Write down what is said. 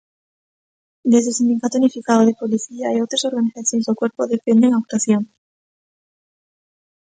Desde o Sindicato Unificado de Policía e outras organizacións do corpo defenden a actuación.